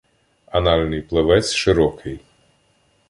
Анальний плавець широкий.